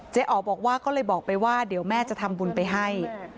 อ๋อบอกว่าก็เลยบอกไปว่าเดี๋ยวแม่จะทำบุญไปให้